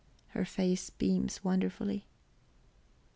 Her face beams wonderfully.